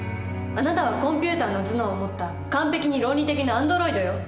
あなたはコンピューターの頭脳を持った完璧に論理的なアンドロイドよ。